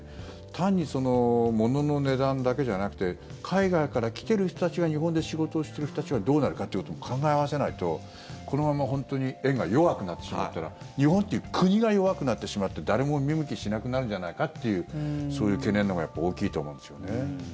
単に物の値段だけじゃなくて海外から来ている人たちが日本で仕事をしている人たちがどうなるかということも考え合わせないとこのまま本当に円が弱くなってしまったら日本という国が弱くなってしまって誰も見向きしなくなるんじゃないかっていうそういう懸念のほうが大きいと思うんですよね。